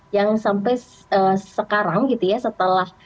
yang sampai sekarang gitu ya setelah